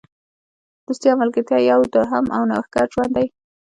دوستي او ملګرتیا یو دوهم او نوښتګر ژوند دی.